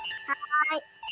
はい。